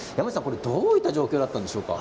どういった状況だったんでしょうか。